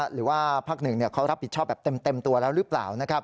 หรือว่าภาคหนึ่งเขารับผิดชอบแบบเต็มตัวแล้วหรือเปล่า